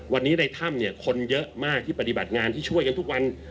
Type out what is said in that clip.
วันนี้ในถ้ำเนี่ยคนเยอะมากที่ปฏิบัติงานที่ช่วยกันทุกวัน